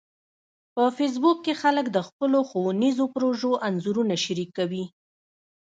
په فېسبوک کې خلک د خپلو ښوونیزو پروژو انځورونه شریکوي